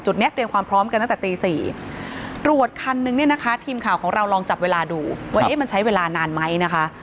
นี้เตรียมความพร้อมกันตั้งแต่ตี๔ตรวจคันนึงเนี่ยนะคะทีมข่าวของเราลองจับเวลาดูว่าเอ๊ะมันใช้เวลานานไหมนะคะ